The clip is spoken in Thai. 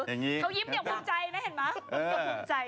เขายิ้มเดี๋ยวภูมิใจนะเห็นมั้ย